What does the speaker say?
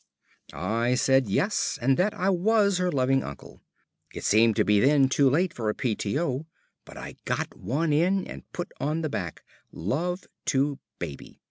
I said "Yes," and that I was her loving uncle. It seemed to be then too late for a "P.T.O.," but I got one in and put on the back, "Love to Baby."